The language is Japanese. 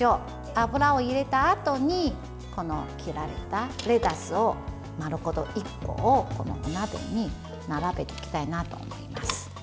油を入れたあとに切られたレタス丸ごと１個をお鍋に並べていきたいなと思います。